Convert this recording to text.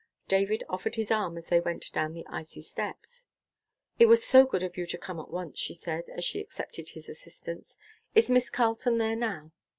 David offered his arm as they went down the icy steps. "It was so good of you to come at once," she said, as she accepted his assistance. "Is Miss Carleton there now?"